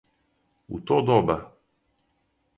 У то доба?